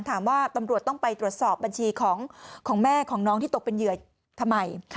ตำรวจต้องไปตรวจสอบบัญชีของแม่ของน้องที่ตกเป็นเหยื่อทำไม